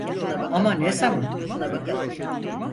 Ama ne zaman?